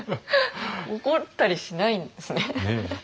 怒ったりしないんですね。